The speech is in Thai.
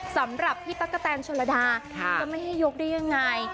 สำหรับพี่ตั๊กกะแตนชนระดาจะไม่ให้ยกได้ยังไง